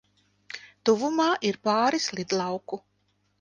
Tuvumā ir pāris lidlauku.